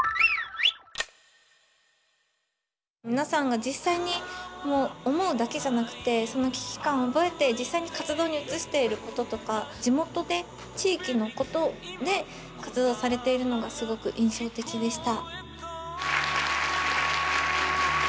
皆さんが実際に思うだけじゃなくてその危機感を覚えて実際に活動に移していることとか地元で地域のことで活動されているのがすごく印象的でした。